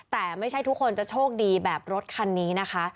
แต่ไม่ใช่ทุกคนจะโชคดีแบบรถคันนี้นะคะ